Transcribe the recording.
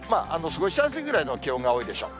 過ごしやすいくらいの気温が多いでしょう。